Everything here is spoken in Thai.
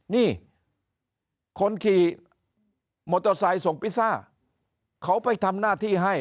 นี่คนขี่มอเตอร์ไซค์ส่งพิซซ่าเขาไปทำหน้าที่ให้